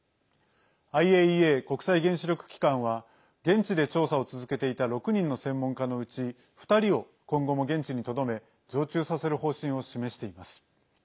ＩＡＥＡ＝国際原子力機関は現地で調査を続けていた６人の専門家のうち２人を今後も現地にとどめ常駐させる方針を示しています。